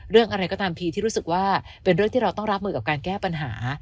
เรื่องอะไรก็ตามทีที่รู้สึกว่าเป็นเรื่องที่เราต้องรับมือกับการแก้ปัญหา